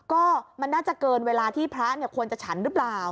ก็มันน่าจะเกินเวลาที่พระควรจะฉันหรือเปล่า